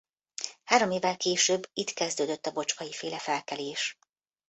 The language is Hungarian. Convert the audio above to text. Három évvel később itt kezdődött a Bocskay-féle felkelés.